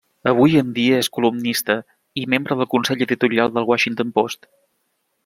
Avui en dia és columnista i membre del Consell Editorial del Washington Post.